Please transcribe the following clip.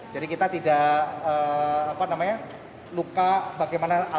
jadi kita tidak apa namanya luka bagaimana ala ala